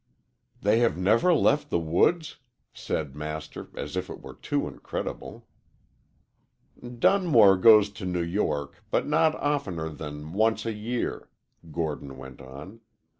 "They have never left the woods?" said Master, as if it were too incredible. "Dunmore goes to New York, but not oftener than once a year," Gordon went on.